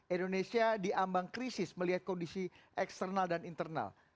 indonesia diambang krisis melihat kondisi eksternal dan internal